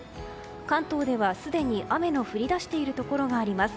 関東ではすでに雨の降り出しているところがあります。